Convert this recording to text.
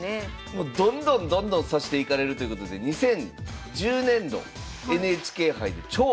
もうどんどんどんどん指していかれるということで２０１０年度ＮＨＫ杯で超早指しを披露されます。